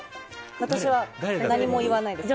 私は何も言わないです。